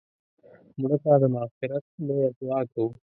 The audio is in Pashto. مړه ته د مغفرت لویه دعا کوو